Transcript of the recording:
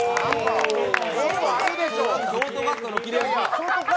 ショートカットの切れ味。